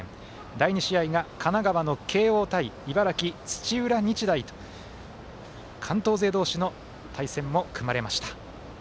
第２試合が神奈川の慶応対茨城、土浦日大と関東勢同士の対戦も組まれました。